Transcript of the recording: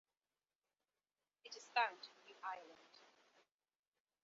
It is found in New Ireland.